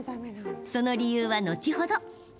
その理由は後ほど。